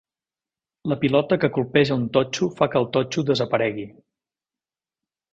La pilota que colpeja un totxo fa que el totxo desaparegui.